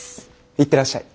いってらっしゃい。